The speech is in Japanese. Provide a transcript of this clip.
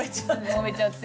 もめちゃって。